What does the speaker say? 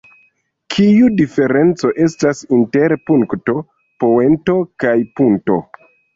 Kiu diferenco estas inter punkto, poento kaj punto?